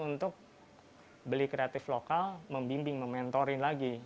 untuk beli kreatif lokal membimbing mementori lagi